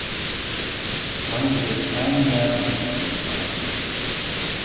Fang bitte keinen Nervenkrieg mit ihm an.